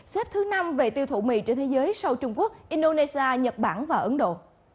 xếp thứ năm về tiêu thụ mì trên thế giới sau trung quốc indonesia nhật bản và ấn độ